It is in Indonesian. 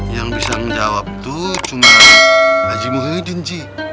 yang bisa menjawab itu cuma haji muhyiddin ji